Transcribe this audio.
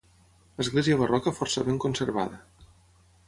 Església barroca força ben conservada.